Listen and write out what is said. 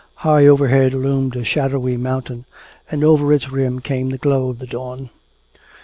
High overhead loomed a shadowy mountain and over its rim came the glow of the dawn.